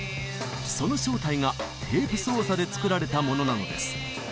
その正体がテープ操作で作られたものなのです。